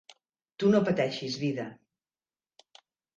Tu no pateixis, vida.